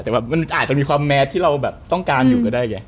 แต่แบบมันอาจจะมีความแมทที่เราแบบต้องการอยู่ก็ได้ไง